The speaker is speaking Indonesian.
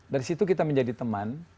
dari situ kita menjadi teman